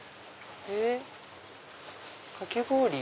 えっかき氷？